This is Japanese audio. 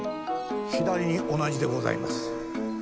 左に同じでございます。